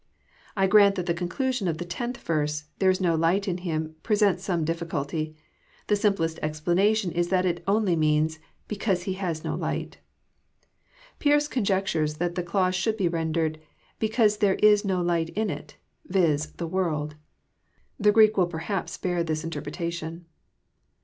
I grant that the conclnslon of the tenth yerse, " there Is no light In him," presents some dlfficolty. The simplest explana tion Is, that It only means, becaose he has no light." Fearce oonjectares that the clanse should be rendered, Be caose there is no light in it; yiz., the world." The Greek will perhi^ bear this inteipretation.